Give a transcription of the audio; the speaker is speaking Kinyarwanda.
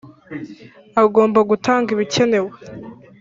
Agomba gutanga ibikenewe.